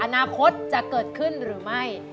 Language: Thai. อนาคตจะเกิดขึ้นหรือไม่